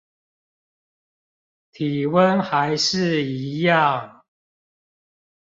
體溫還是一樣